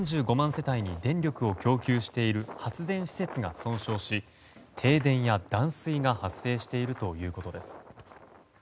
世帯に電力を供給している発電施設が損傷し停電や断水が発生しているということです。